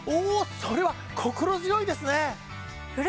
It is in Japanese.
それは心強いですね！